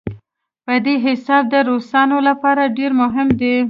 په دې حساب د روسانو لپاره ډېر مهم دی.